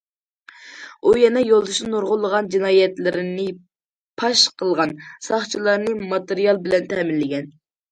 ئۇ يەنە يولدىشىنىڭ نۇرغۇنلىغان جىنايەتلىرىنى پاش قىلغان، ساقچىلارنى ماتېرىيال بىلەن تەمىنلىگەن.